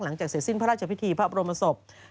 หลังจากเสียสิ้นพระราชพิธีพระอัปโรมศพ